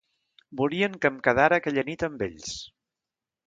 Volien que em quedara aquella nit amb ells.